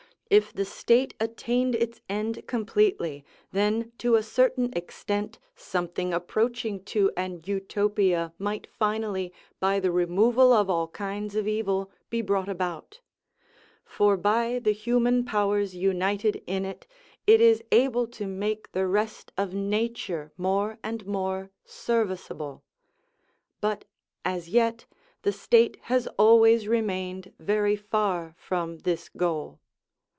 If the state attained its end completely, then to a certain extent something approaching to an Utopia might finally, by the removal of all kinds of evil, be brought about. For by the human powers united in it, it is able to make the rest of nature more and more serviceable. But as yet the state has always remained very far from this goal.